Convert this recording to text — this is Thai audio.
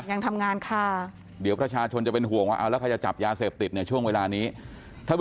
ยังทำงานค่ะเดี๋ยวประชาชนจะเป็นห่วงว่าเอ้าแล้ว